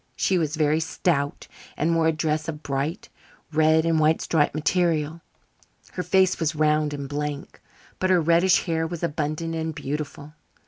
She was very stout and wore a dress of bright red and white striped material. Her face was round and blank, but her reddish hair was abundant and beautiful.